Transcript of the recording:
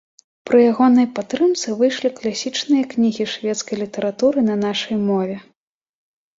Пры ягонай падтрымцы выйшлі класічныя кнігі шведскай літаратуры на нашай мове.